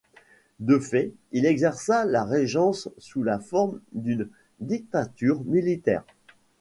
De fait, il exerça la Régence sous la forme d'une dictature militaire.